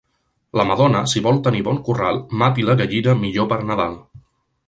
La madona, si vol tenir bon corral, mati la gallina millor per Nadal.